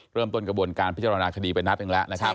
กระบวนการพิจารณาคดีไปนัดหนึ่งแล้วนะครับ